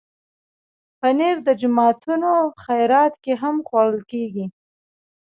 پنېر د جوماتونو خیرات کې هم خوړل کېږي.